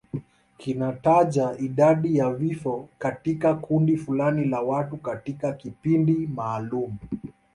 Kinataja idadi ya vifo katika kundi fulani la watu katika kipindi maalum.